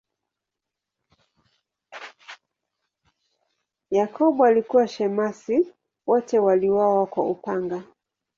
Yakobo alikuwa shemasi, wote waliuawa kwa upanga.